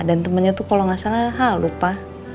dan temennya tuh kalau gak salah halu pa